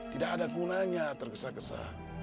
tidak ada gunanya terkesa kesa